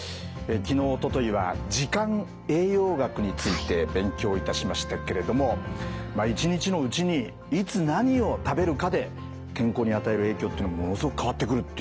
昨日おとといは時間栄養学について勉強いたしましたけれどもまあ一日のうちにいつ何を食べるかで健康に与える影響というのものすごく変わってくるっていうことなんですよね。